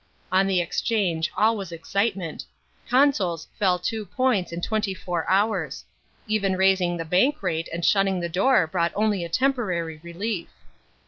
On the Exchange all was excitement. Consols fell two points in twenty four hours. Even raising the Bank rate and shutting the door brought only a temporary relief.